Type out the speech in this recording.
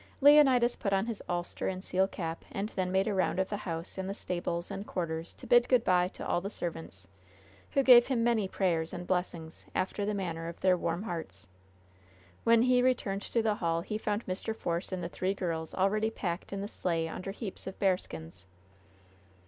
Leonidas put on his ulster and seal cap, and then made a round of the house and the stables and quarters to bid good by to all the servants, who gave him many prayers and blessings, after the manner of their warm hearts. When he returned to the hall he found Mr. Force and the three girls already packed in the sleigh under heaps of bearskins.